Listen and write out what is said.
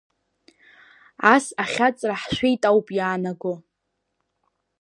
Ас ахьаҵра ҳшәеит ауп иаанаго.